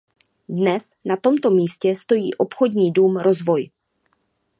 Dnes na tomto místě stojí obchodní dům Rozvoj.